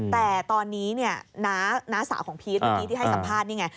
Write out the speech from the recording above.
แต่ตอนนี้นะสาวของพีชตอนนี้ที่ให้สัมภาษณ์นี่ไง